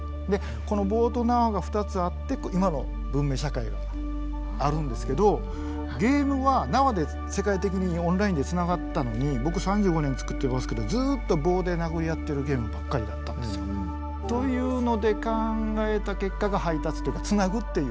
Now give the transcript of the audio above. この棒と縄が２つあって今の文明社会があるんですけどゲームは縄で世界的にオンラインで繋がったのに僕３５年つくってますけどずっと棒で殴り合ってるゲームばっかりだったんですよね。というので考えた結果が配達というか繋ぐっていう。